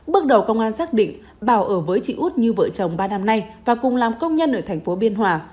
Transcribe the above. bước đầu công an xác định bảo ở với chị út như vợ chồng ba năm nay và cùng làm công nhân ở thành phố biên hòa